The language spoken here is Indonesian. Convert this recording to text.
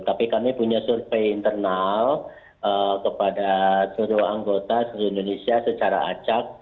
tapi kami punya survei internal kepada seluruh anggota seluruh indonesia secara acak